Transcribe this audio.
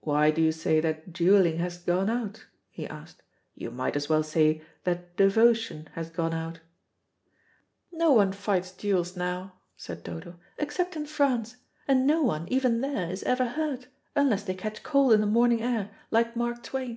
"Why do you say that duelling has done out?" he asked. "You might as well say that devotion has gone out." "No one fights duels now," said Dodo; "except in Prance, and no one, even there, is ever hurt, unless they catch cold in the morning air, like Mark Twain."